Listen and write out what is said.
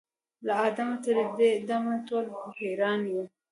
له آدمه تر دې دمه ټول پیران یو